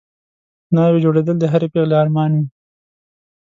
ناوې جوړېدل د هرې پېغلې ارمان وي